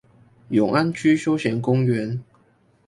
永安區休閒公園